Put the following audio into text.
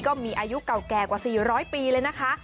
ก็มีอายุเก่าแก่กว่า๔๐๐ปีเลยนะคะ